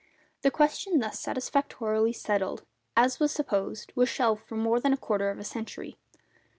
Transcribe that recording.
The question thus satisfactorily settled, as was supposed, was shelved for more than a quarter of a century.